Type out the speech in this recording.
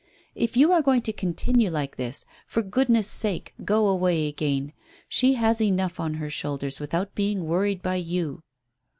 If you are going to continue like this, for goodness' sake go away again. She has enough on her shoulders without being worried by you."